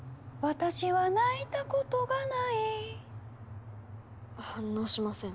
「私は泣いたことがない」